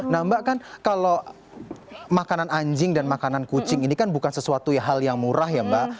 nah mbak kan kalau makanan anjing dan makanan kucing ini kan bukan sesuatu hal yang murah ya mbak